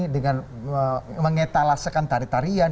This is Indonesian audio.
dengan mengetalasakan tarian tarian